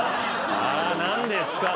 何ですか？